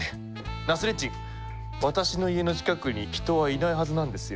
ナスレッディン「私の家の近くに人はいないはずなんですよ」。